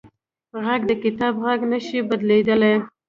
غږ د کتاب غږ نه شي بدلېدلی